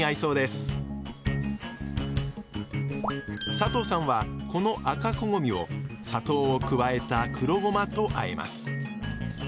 佐藤さんはこの赤こごみを砂糖を加えた黒ごまと和えます。